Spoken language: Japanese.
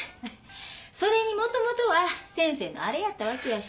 それにもともとは先生のあれやったわけやし。